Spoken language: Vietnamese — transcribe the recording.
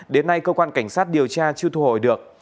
đến nay cơ quan cảnh sát điều tra chưa thu hồi được